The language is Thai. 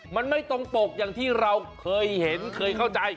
มันไม่ตรงปกอย่างที่เราเคยเห็นเคยเข้าใจ